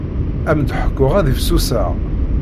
Ad m-d-ḥkuɣ ad ifsuseɣ.